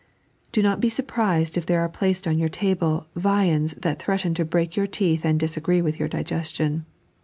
Do not be surprised if there are placed on your table viands that threaten to break your teeth and disagree with your digestion.